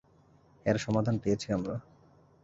এর সমাধান পেয়েছি আমরা।